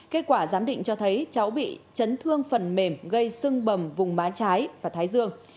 kết quả giám định cho thấy cháu bị chấn thương phần mềm gây sưng bầm vùng má trái và thái dương